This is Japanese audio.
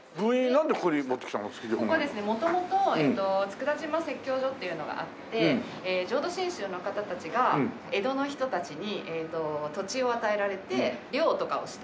元々佃島説教所というのがあって浄土真宗の方たちが江戸の人たちに土地を与えられて漁とかをした。